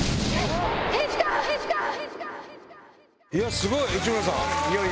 すごい！内村さん。